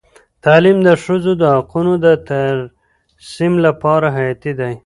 تعلیم د ښځو د حقونو د ترسیم لپاره حیاتي دی.